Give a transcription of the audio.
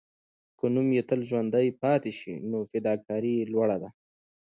که نوم یې تل ژوندی پاتې سي، نو فداکاري یې لوړه ده.